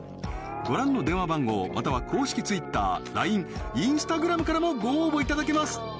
ご覧の電話番号または公式ＴｗｉｔｔｅｒＬＩＮＥＩｎｓｔａｇｒａｍからもご応募いただけます